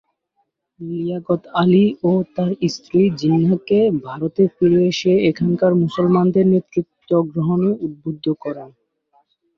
লিয়াকত আলি ও তার স্ত্রী জিন্নাহকে ভারতে ফিরে এসে এখানকার মুসলমানদের নেতৃত্ব গ্রহণে উদ্বুদ্ধ করেন।